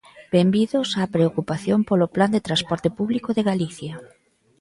Benvidos á preocupación polo Plan de transporte público de Galicia.